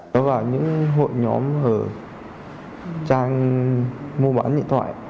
đó vào những hội nhóm ở trang mua bán điện thoại